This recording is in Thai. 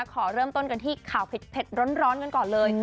ขอเริ่มต้นกันที่ข่าวเผ็ดร้อนกันก่อนเลย